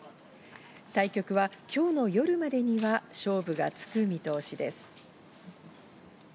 対局は今日の夜までには勝負がつく見通しです。